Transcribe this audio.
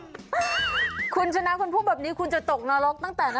คุณชนะคุณพูดแบบนี้คุณจะตกนรกตั้งแต่นั้น